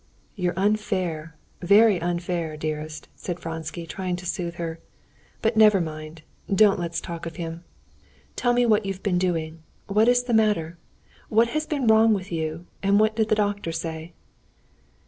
"You're unfair, very unfair, dearest," said Vronsky, trying to soothe her. "But never mind, don't let's talk of him. Tell me what you've been doing? What is the matter? What has been wrong with you, and what did the doctor say?"